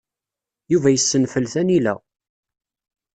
Yuba yessenfel tanila.